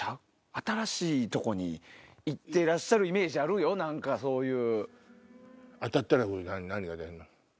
新しいとこに行ってらっしゃるイメージあるよ何かそういう。